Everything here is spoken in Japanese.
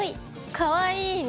かわいいね。